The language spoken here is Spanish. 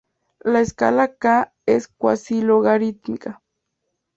La "escala K" es cuasi-logarítmica.